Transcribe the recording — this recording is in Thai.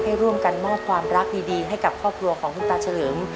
ร่วมกันมอบความรักดีให้กับครอบครัวของคุณตาเฉลิม